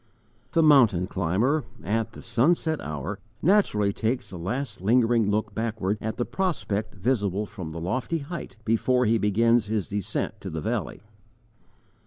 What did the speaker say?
THE mountain climber, at the sunset hour, naturally takes a last lingering look backward at the prospect visible from the lofty height, before he begins his descent to the valley.